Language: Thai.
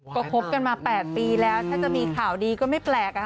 ก็คบกันมา๘ปีแล้วถ้าจะมีข่าวดีก็ไม่แปลก